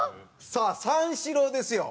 さあ三四郎ですよ。